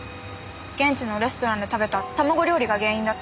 現地のレストランで食べた卵料理が原因だって。